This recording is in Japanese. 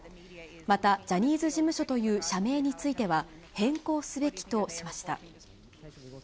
またジャニーズ事務所という社名については、変更すべきとしまし